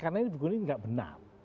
karena ini buku ini tidak benar